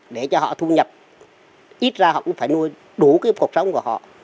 để cho họ thu nhập ít ra họ cũng phải nuôi đủ cái cuộc sống của họ